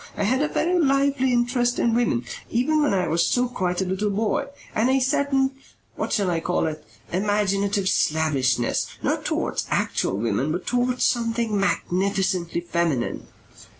I had a very lively interest in women, even when I was still quite a little boy, and a certain what shall I call it? imaginative slavishness not towards actual women but towards something magnificently feminine.